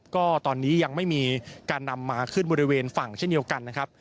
ก็ตอนนี้ยังไม่มีการนำมาขึ้นบริเวณฝั่งเช่นเดียวกันนะครับ